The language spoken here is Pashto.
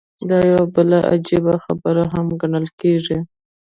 دا يوه بله عجيبه خبره هم ګڼل کېږي.